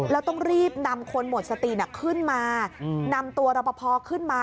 แล้วต้องรีบนำคนหมดสติขึ้นมานำตัวรอปภขึ้นมา